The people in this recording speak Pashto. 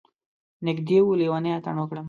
نږدې و لیونی اتڼ وکړم.